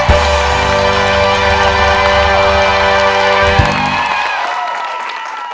อย่าหันกลับมาอีกเลย